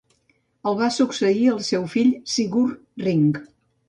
El va succeir el seu fill Sigurd Ring.